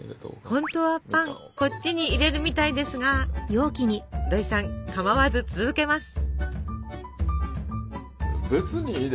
本当はパンこっちに入れるみたいですが土井さんかまわず続けます。